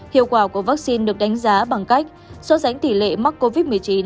hiệu quả của vaccine được đánh giá bằng cách so sánh tỷ lệ mắc covid một mươi chín